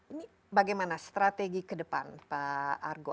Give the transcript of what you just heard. ini bagaimana strategi ke depan pak argo